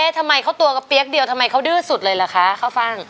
ทำไมเขาตัวกระเปี๊ยกเดียวทำไมเขาดื้อสุดเลยเหรอคะข้าวฟ่าง